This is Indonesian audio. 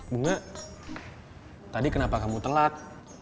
bunga tadi kenapa kamu telat